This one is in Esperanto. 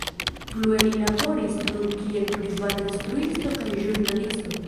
Plue li laboris nur kiel privata instruisto kaj ĵurnalisto.